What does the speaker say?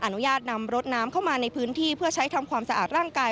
อนุญาตนำรถน้ำเข้ามาในพื้นที่เพื่อใช้ทำความสะอาดร่างกาย